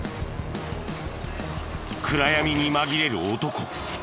暗闇に紛れる男。